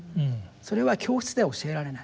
それは教室では教えられない。